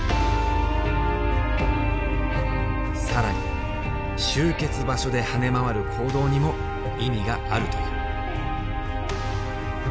更に集結場所で跳ね回る行動にも意味があるという。